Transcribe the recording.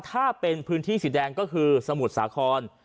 ถ้าเป็นพื้นที่สีแดงก็คือสมุทรสาคร